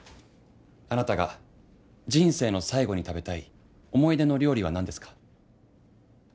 「あなたが人生の最後に食べたい思い出の料理は何ですか？」。